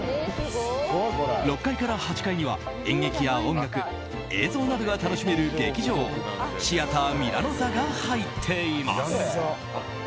６階から８階には演劇や音楽映像などが楽しめる劇場シアターミラノ座が入っています。